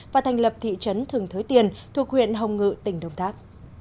và thành lập thị trấn thường thới tiền thuộc huyện hồng ngự tỉnh đồng tháp